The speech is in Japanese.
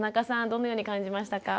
どのように感じましたか？